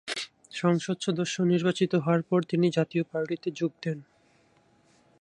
সংসদ সদস্য নির্বাচিত হওয়ার পর তিনি জাতীয় পার্টিতে যোগ দেন।